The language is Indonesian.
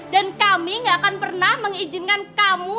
dan kami tidak akan pernah mengizinkan kamu